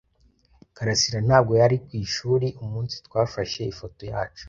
karasira ntabwo yari ku ishuri umunsi twafashe ifoto yacu.